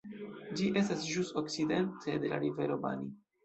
Ĝi estas ĵus okcidente de la Rivero Bani.